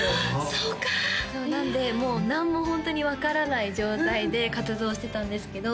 そうなんで何もホントに分からない状態で活動してたんですけど